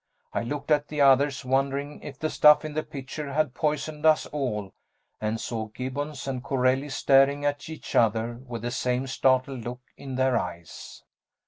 I looked at the others, wondering if the stuff in the pitcher had poisoned us all, and saw Gibbons and Corelli staring at each other with the same startled look in their eyes.